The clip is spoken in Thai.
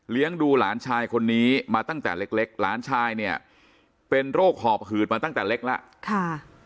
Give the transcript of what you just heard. ดูหลานชายคนนี้มาตั้งแต่เล็กหลานชายเนี่ยเป็นโรคหอบหืดมาตั้งแต่เล็กแล้วค่ะ